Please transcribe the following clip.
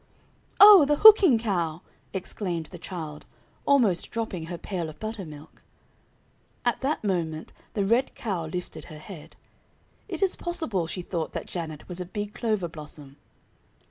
"Oh, the hooking cow!" exclaimed the child, almost dropping her pail of buttermilk. At that moment the red cow lifted her head. It is possible she thought that Janet was a big clover blossom.